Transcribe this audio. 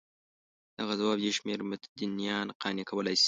دغه ځواب یو شمېر متدینان قانع کولای شي.